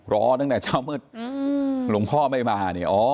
รอตั้งแต่เช้ามืดหลวงพ่อไม่มาเนี่ย